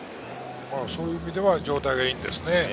そういう意味では状態がいいんですね。